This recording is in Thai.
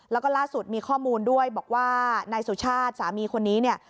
แล้วก็ล่าสุดมีข้อมูลด้วยบอกว่านายสุชาติสามีคนนี้เนี่ย